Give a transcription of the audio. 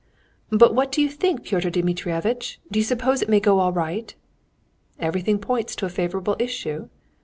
"But what do you think, Pyotr Dmitrievitch? Do you suppose it may go all right?" "Everything points to a favorable issue."